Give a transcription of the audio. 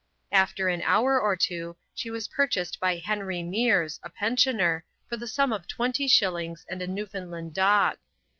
After an hour or two, she was purchased by Henry Mears, a pensioner, for the sum of twenty shillings and a Newfoundland dog.